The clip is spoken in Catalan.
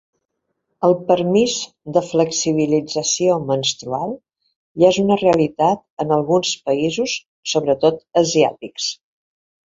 El permís de flexibilització menstrual ja és una realitat en alguns països, sobretot asiàtics.